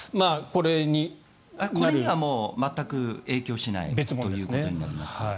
これには全く影響しないということになります。